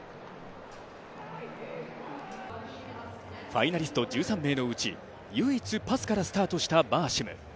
ファイナリスト１３名のうち唯一パスからスタートしたバーシム。